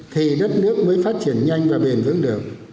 thì đất nước mới phát triển nhanh và mạnh